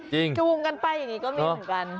จูงกันไปอย่างนี้ก็มีเหมือนกัน